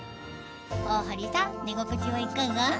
大堀さん寝心地はいかが？